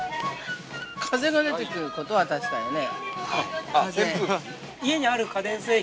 ◆風が出てくることは確かよね。